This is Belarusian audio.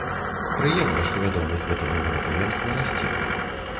Прыемна, што вядомасць гэтага мерапрыемства расце.